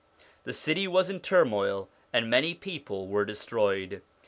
The city was in a turmoil, and many people were destroyed.